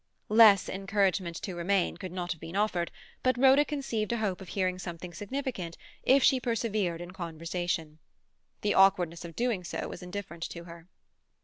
Less encouragement to remain could not have been offered, but Rhoda conceived a hope of hearing something significant if she persevered in conversation. The awkwardness of doing so was indifferent to her.